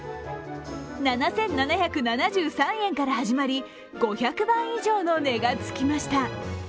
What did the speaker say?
７７３０円から始まり５００倍以上の値がつきました。